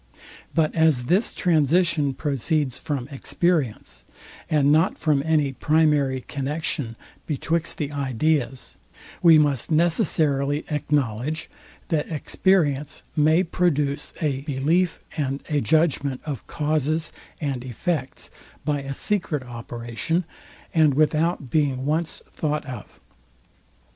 But as this transition proceeds from experience, and not from any primary connexion betwixt the ideas, we must necessarily acknowledge, that experience may produce a belief and a judgment of causes and effects by a secret operation, and without being once thought of.